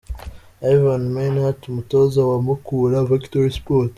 Ivan Minaert umutoza wa Mukura Victory Sport.